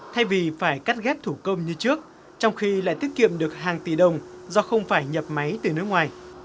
thay vì phải cắt ghép thủ công như trước trong khi lại tiết kiệm được hàng tỷ đồng do không phải nhập máy từ nước ngoài